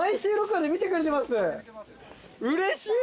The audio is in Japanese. うれしい！